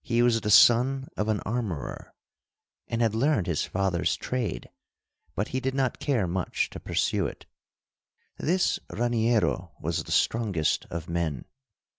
He was the son of an armorer, and had learned his father's trade, but he did not care much to pursue it. This Raniero was the strongest of men.